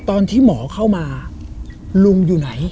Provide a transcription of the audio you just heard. ตอนที่หมอเข้ามาลุงอยู่ไหน